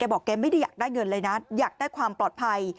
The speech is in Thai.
บอกแกไม่ได้อยากได้เงินเลยนะอยากได้ความปลอดภัย